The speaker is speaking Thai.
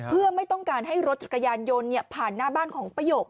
เพื่อไม่ต้องการให้รถจักรยานยนต์ผ่านหน้าบ้านของประโยค